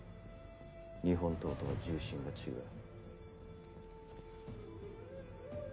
日本刀とは重心が違う。